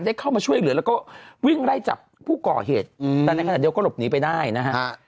เข้ามาช่วยเหลือแล้วก็วิ่งไล่จับผู้ก่อเหตุแต่ในขณะเดียวกันก็หลบหนีไปได้นะฮะ